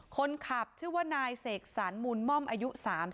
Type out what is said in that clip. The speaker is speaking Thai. คนขับชื่อว่านายเสกสรรมูลม่อมอายุ๓๒